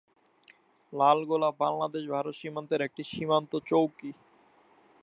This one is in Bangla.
লালগোলা বাংলাদেশ-ভারত সীমান্তের একটি সীমান্ত চৌকি।